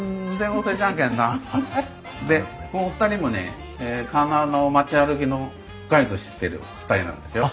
でこのお二人もね鉄輪の町歩きのガイドをしてる２人なんですよ。